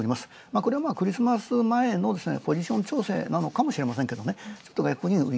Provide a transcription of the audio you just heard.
これは、クリスマス前のポジション調整なのかもしれませんけどね。